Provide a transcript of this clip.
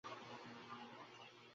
খবর পেয়ে মনে কেমন খটকা বাঁধল।